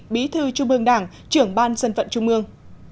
bí thư trung ương đảng trưởng ban dân vận trung ương